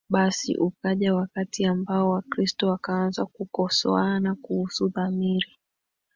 Basi ukaja wakati ambao Wakristo wakaanza kukosoana kuhusu dhamiri